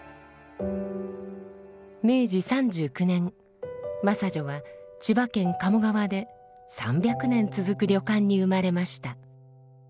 明治３９年真砂女は千葉県鴨川で３００年続く旅館に生まれました。